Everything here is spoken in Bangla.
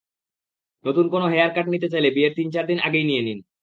নতুন কোনো হেয়ার কাট নিতে চাইলে বিয়ের তিন-চার দিন আগেই নিয়ে নিন।